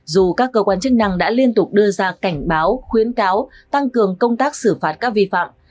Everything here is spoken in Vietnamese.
dù các cơ quan chức năng đã liên tục đưa ra cảnh báo khuyến cáo tăng cường công tác xử phạt các vi phạm